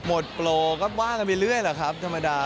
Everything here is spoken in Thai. หมดโปรก็ว่ากันไปเรื่อยแหละครับธรรมดา